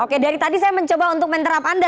oke dari tadi saya mencoba untuk menerap anda